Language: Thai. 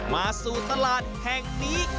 มาสู่ตลาดแห่งนี้